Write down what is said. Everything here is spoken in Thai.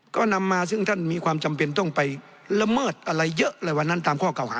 ก็นำมาซึ่งท่านมีความจำเป็นต้องไปละเมิดอะไรเยอะเลยวันนั้นตามข้อเก่าหา